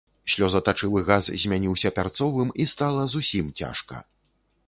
Слёзатачывы газ змяніўся пярцовым, і стала зусім цяжка.